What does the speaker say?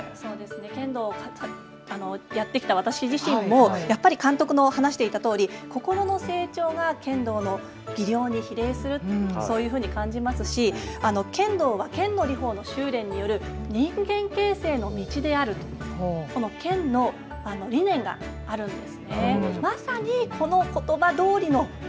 剣道をやってきた私自身もやっぱり監督の話していたとおり心の成長が剣道の技量に比例すると、そういうふうに感じますし、剣道は剣のりほうの修練による人間形成の道であると、剣の理念があるんです。